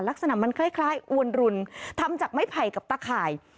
ลักษณะมันคล้ายอวนรุนทำจากไม้ไผ่กับตะข่าย